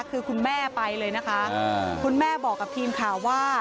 คือคุณแม่ไปเลยนะคะคุณแม่บอกกับทีมข่าวว่า